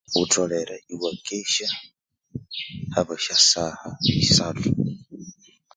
Ghutholere iwakesya habwa esyasaha isathu